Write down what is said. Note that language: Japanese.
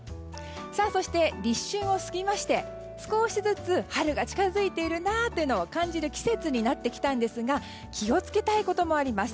そして、立春を過ぎまして少しずつ春が近づいているのを感じる季節になってきたんですが気を付けたいこともあります。